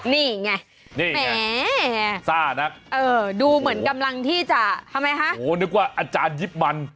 นี่ไงนี่แหมซ่านักเออดูเหมือนกำลังที่จะทำไมคะโหนึกว่าอาจารยิบมัน